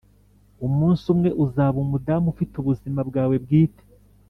umunsi umwe uzaba umudamu ufite ubuzima bwawe bwite,